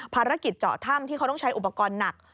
ภารกิจเจาะถ้ำที่เขาต้องใช้อุปกรณ์หนัก